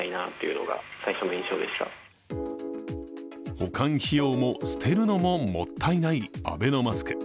保管費用も、捨てるのももったいないアベノマスク。